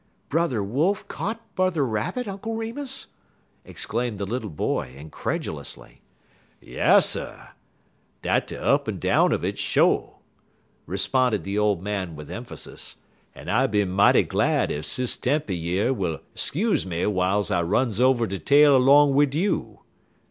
"Brother Wolf caught Brother Rabbit, Uncle Remus?" exclaimed the little boy, incredulously. "Yasser! dat's de up en down un it, sho'," responded the old man with emphasis, "en I be mighty glad ef Sis Tempy yer will 'scuze me w'iles I runs over de tale 'long wid you."